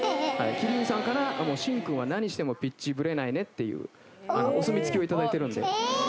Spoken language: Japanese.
鬼龍院さんからＳＨＩＮくんは何してもピッチブレないねっていうお墨付きをいただいてるんでえ！